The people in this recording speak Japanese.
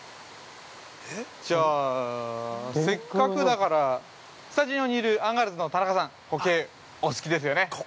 じゃあ、せっかくだからスタジオにいるアンガールズの田中さんコケ、お好きですよね？